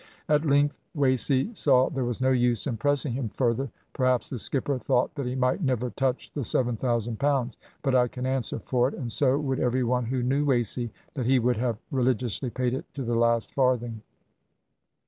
"At length Wasey saw there was no use in pressing him further. Perhaps the skipper thought that he might never touch the 7000 pounds, but I can answer for it, and so would every one who knew Wasey, that he would have religiously paid it to the last farthing.